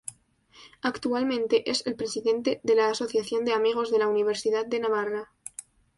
Actualmente es el Presidente de la Asociación de Amigos de la Universidad de Navarra.